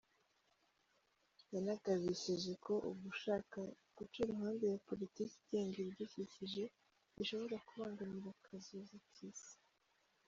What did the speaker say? Yanagabishije ko ugushaka guca iruhande ya politike igenga ibidukikije bishobora kubangamira kazoza k’isi.